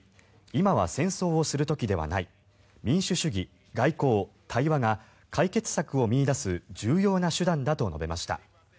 今は戦争をする時ではない民主主義、外交、対話が解決策を見いだす重要な手段だと述べました。